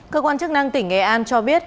cơ quan chức năng tỉnh nghệ an cho biết